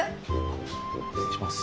失礼します。